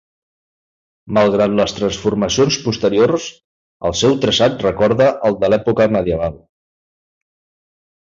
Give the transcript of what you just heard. Malgrat les transformacions posteriors, el seu traçat recorda el de l'època medieval.